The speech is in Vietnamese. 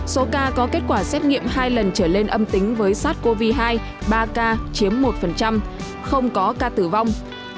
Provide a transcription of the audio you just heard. số ca có kết quả xét nghiệm hai lần trở lên âm tính với sars cov hai ba ca chiếm một không có ca tử vong